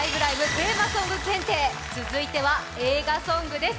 テーマソング検定！」、続いでは映画ソングです。